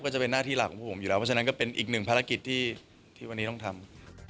ก็จะเป็นหน้าที่หลักของพวกผมอยู่แล้วเพราะฉะนั้นก็เป็นอีกหนึ่งภารกิจที่วันนี้ต้องทำ